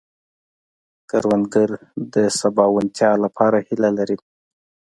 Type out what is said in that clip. کروندګر د سباوونتیا لپاره هيله لري